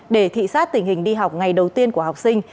để thị sát tình hình đi học ngày đầu tiên của học sinh